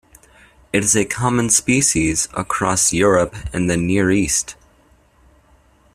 It is a common species across Europe and the Near East.